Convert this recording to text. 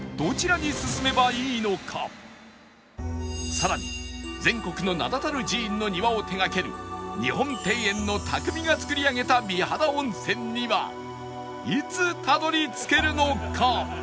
さらに全国の名だたる寺院の庭を手掛ける日本庭園の匠が造り上げた美肌温泉にはいつたどり着けるのか？